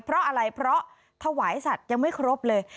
เพราะอะไรเพราะถวายสัตว์ยังไม่ครบเลย